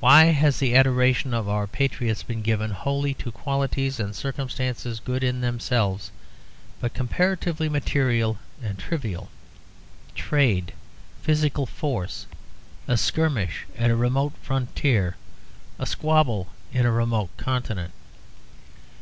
Why has the adoration of our patriots been given wholly to qualities and circumstances good in themselves, but comparatively material and trivial: trade, physical force, a skirmish at a remote frontier, a squabble in a remote continent?